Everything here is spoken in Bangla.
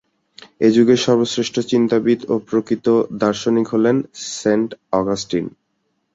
এ যুগের সর্বশ্রেষ্ঠ চিন্তাবিদ ও প্রকৃত দার্শনিক হলেন সেন্ট অগাস্টিন।